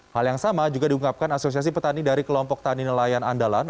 hal yang sama juga diungkapkan asosiasi petani dari kelompok tani nelayan andalan